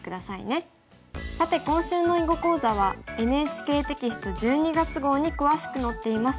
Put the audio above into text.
さて今週の囲碁講座はＮＨＫテキスト１２月号に詳しく載っています。